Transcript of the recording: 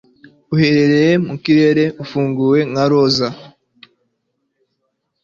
Uhereye mu kirere ufunguye nka roza